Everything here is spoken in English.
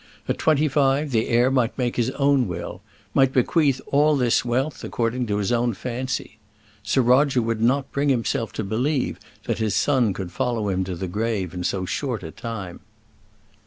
At twenty five the heir might make his own will might bequeath all this wealth according to his own fancy. Sir Roger would not bring himself to believe that his son could follow him to the grave in so short a time.